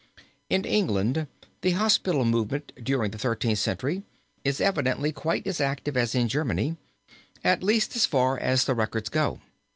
In England the hospital movement during the Thirteenth Century is evidently quite as active as in Germany, at least as far as the records go.